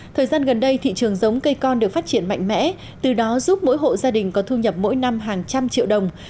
thời gian gần đây thị trường giống cây con được phát triển mạnh mẽ từ đó giúp mỗi hộ gia đình có thu nhập mỗi năm hàng trăm triệu đồng